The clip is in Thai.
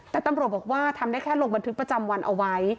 แต่ตำรวจบอกว่าทำได้แค่ลงบันทึกประจำวันเอาไว้